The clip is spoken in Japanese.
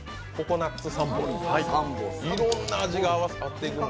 いろんな味が合わさっていくんだ。